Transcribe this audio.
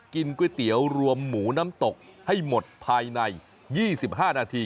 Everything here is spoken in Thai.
กินก๋วยเตี๋ยวรวมหมูน้ำตกให้หมดภายใน๒๕นาที